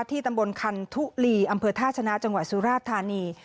ตำบลคันทุลีอำเภอท่าชนะจังหวัดสุราชธานี